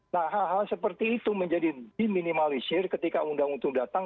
nah hal hal seperti itu menjadi diminimalisir ketika undang undang datang